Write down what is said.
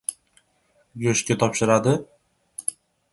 Go‘shtga topshiradi?